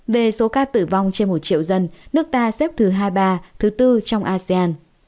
về số ca tử vong trên một triệu dân nước ta xếp thứ hai mươi ba thứ bốn trong asean